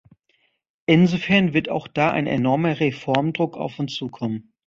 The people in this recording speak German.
Insofern wird auch da ein enormer Reformdruck auf uns zukommen.